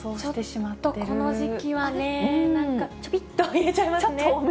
ちょっとこの時期はね、なんかちょびっと入れちゃいますね。